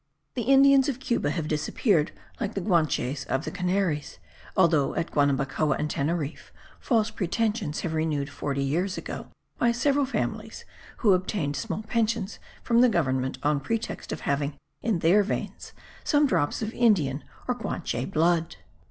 The Indians of Cuba have disappeared like the Guanches of the Canaries, although at Guanabacoa and Teneriffe false pretensions were renewed forty years ago, by several families, who obtained small pensions from the government on pretext of having in their veins some drops of Indian or Guanche blood.